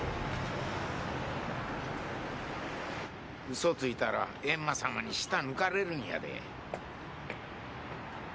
嘘ついたらえんま様に舌抜かれるんやで。